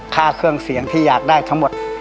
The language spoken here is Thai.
ค่าเครื่องเสียงที่อยากได้ทั้งหมด